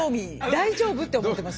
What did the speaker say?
「大丈夫？」って思ってます